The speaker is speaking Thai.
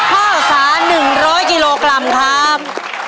ข้าวสาร๑๐๐กิโลกรัมครับ